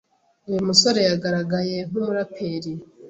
uyu musore yagaragaye nk’umuraperi